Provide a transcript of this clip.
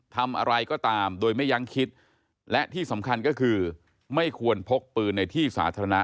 ทำอะไรก็ตามโดยไม่ยังคิดและที่สำคัญก็คือไม่ควรพกปืนในที่สาธารณะ